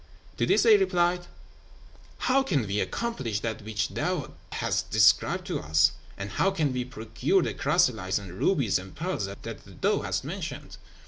To this they all replied, "How can we accomplish that which thou hast described to us, and how can we procure the chrysolites and rubies and pearls that thou hast mentioned?"